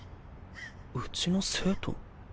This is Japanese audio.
うちの生徒？